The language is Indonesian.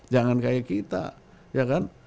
jangan kayak kita ya kan